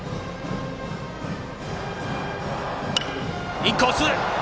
インコース。